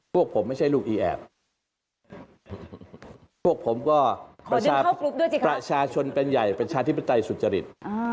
พวกผมไม่ใช่ลูกอีแอบพวกผมก็ประชาชนเป็นใหญ่ประชาธิปไตยสุจริต